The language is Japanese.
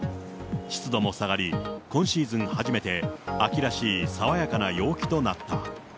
湿度も下がり、今シーズン初めて、秋らしい爽やかな陽気となった。